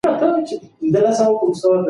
خو د هغه روح تل د بښنې او نېکۍ لپاره تږی و.